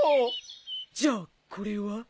じゃあこれは？